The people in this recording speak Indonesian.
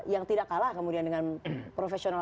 yang tidak kalah kemudian dengan profesional